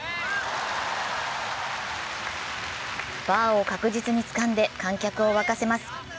バーを確実につかんで観客を沸かせます。